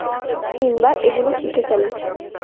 কিংবা এগুলো শিখে ফেলে।